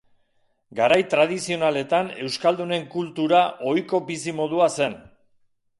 Garai tradizionaletan euskaldunen kultura ohiko bizimodua zen.